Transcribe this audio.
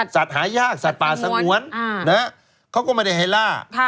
หายากสัตว์ป่าสงวนเขาก็ไม่ได้ให้ล่า